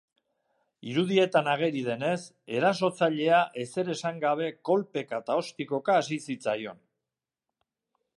Irudietan ageri denez, erasotzailea ezer esan gabe kolpeka eta ostikoka hasi zitzaion.